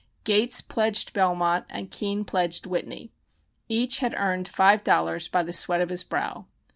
"Gates" pledged "Belmont" and "Keene" pledged "Whitney." Each had earned five dollars by the sweat of his brow.